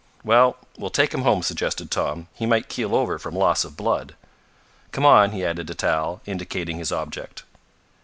"Well, we'll take him home," suggested Tom. "He might keel over from loss of blood. Come on," he added to Tal, indicating his object.